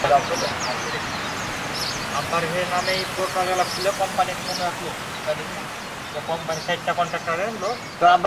পৃথ্বী নামে তাদের এক পুত্রসন্তান রয়েছে।